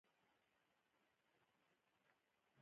د ټکنالوجۍ پراختیا د بشریت لپاره لوی فرصت دی.